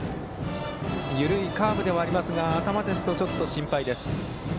緩いカーブではありますが頭ですと、ちょっと心配です。